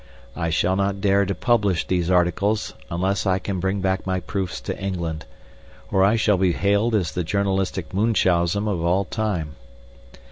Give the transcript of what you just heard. I shall not dare to publish these articles unless I can bring back my proofs to England, or I shall be hailed as the journalistic Munchausen of all time.